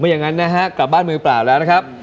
อย่างนั้นนะฮะกลับบ้านมือเปล่าแล้วนะครับ